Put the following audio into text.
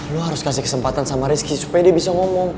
lo harus kasih kesempatan sama rizky supaya dia bisa ngomong